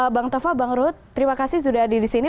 bang tova bang rut terima kasih sudah hadir di sini